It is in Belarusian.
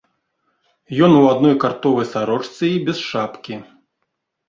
Ён у адной картовай сарочцы і без шапкі.